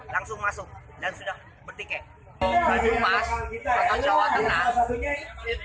langsung masuk dan sudah bertiket